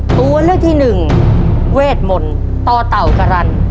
ตัวเลือกที่หนึ่งเวทมนต์ต่อเต่าการัน